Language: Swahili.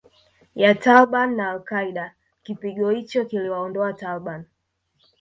ya Taliban na Al Qaeda Kipigo hicho kiliwaondoa Taliban